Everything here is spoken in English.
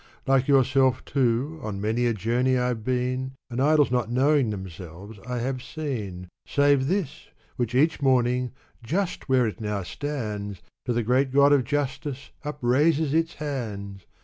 Like yourself, too, on many a journey I've been, And idols not knowing themselves I have seen. Save this, which each morning, just where it now stands, To the great God of Justice upraises its hands